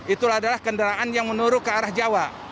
itulah adalah kendaraan yang menurut ke arah jawa